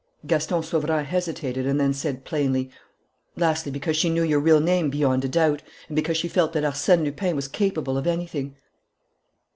Gaston Sauverand hesitated and then said, plainly: "Lastly, because she knew your real name beyond a doubt, and because she felt that Arsène Lupin was capable of anything."